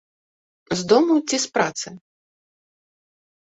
З дому ці з працы?